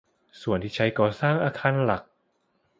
ส่วนที่ใช้ก่อสร้างอาคารหลัก